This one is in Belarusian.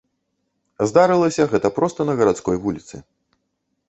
Здарылася гэта проста на гарадской вуліцы.